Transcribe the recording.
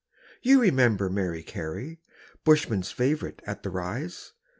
You remember Mary Carey, Bushmen's favourite at the Rise?